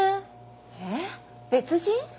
えっ別人？